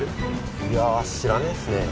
いや知らねぇっすね。